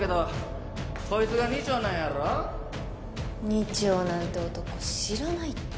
二丁なんて男知らないって。